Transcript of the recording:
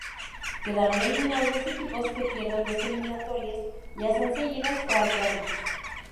Quedarán eliminados los equipos que pierdan dos eliminatorias, ya sean seguidas o alternas.